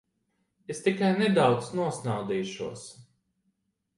Es tikai nedaudz nosnaudīšos.